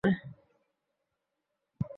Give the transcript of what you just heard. সে যাকে খুশি তাকেই আমন্ত্রণ জানাতে পারে।